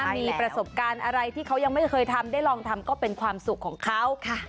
มีประสบการณ์อะไรที่เขายังไม่เคยทำได้ลองทำก็เป็นความสุขของเขา